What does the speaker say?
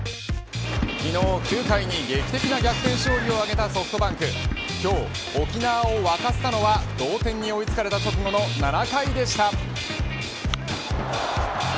昨日９回に、劇的な逆転勝利を挙げたソフトバンク今日、沖縄を沸かせたのは同点に追い付かれた直後の７回でした。